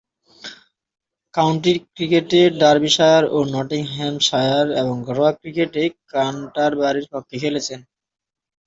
County ক্রিকেটে Derbyshire ও Nottinghamshire এবং ঘরোয়া ক্রিকেটে ক্যান্টারবারির পক্ষে খেলেছেন।